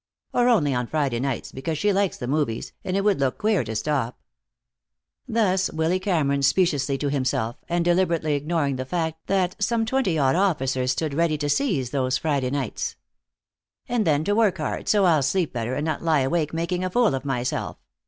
Or only on Friday nights, because she likes the movies, and it would look queer to stop." Thus Willy Cameron speciously to himself, and deliberately ignoring the fact that some twenty odd officers stood ready to seize those Friday nights. "And then to work hard, so I'll sleep better, and not lie awake making a fool of myself.